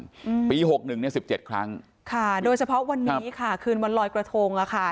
อืมปีหกหนึ่งเนี้ยสิบเจ็ดครั้งค่ะโดยเฉพาะวันนี้ค่ะคืนวันลอยกระทงอ่ะค่ะ